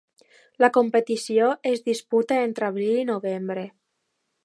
La competició es disputa entre abril i novembre.